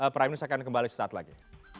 prime news akan kembali sesaat lagi